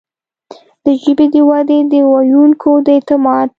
د ژبې د ودې، د ویونکو د اعتماد